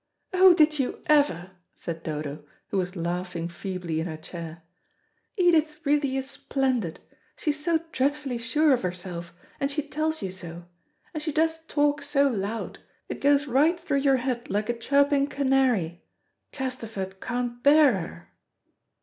"Oh, did you ever!" said Dodo, who was laughing feebly in her chair. "Edith really is splendid. She is so dreadfully sure of herself, and she tells you so. And she does talk so loud it goes right through your head like a chirping canary. Chesterford can't bear her."